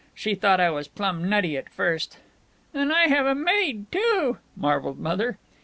She thought I was plumb nutty, at first!" "And I have a maid, too!" marveled Mother.